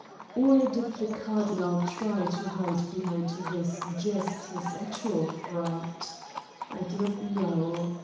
Or did the Cardinal try to hide behind this jest his actual fright I I do not know.